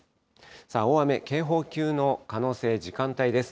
さあ、大雨、警報級の可能性、時間帯です。